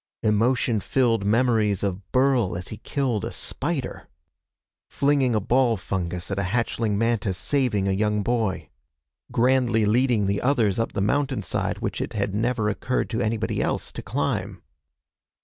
Emotion filled memories of Burl as he killed a spider! Flinging a ball fungus at a hatchling mantis, saving a young boy. Grandly leading the others up the mountainside which it had never occurred to anybody else to climb.